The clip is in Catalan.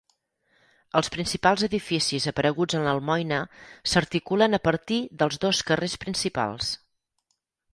Els principals edificis apareguts en l'Almoina s'articulen a partir dels dos carrers principals.